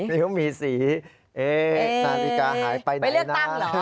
สาธิกาหายไปไหนนาน